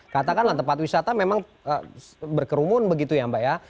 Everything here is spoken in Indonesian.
katakanlah tempat wisata memang berkerumun begitu ya mbak ya